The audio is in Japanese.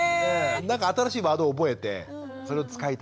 なんか新しいワードを覚えてそれを使いたいみたいな。